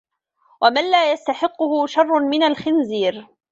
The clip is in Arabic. وَمَنْ لَا يَسْتَحِقُّهُ شَرٌّ مِنْ الْخِنْزِيرِ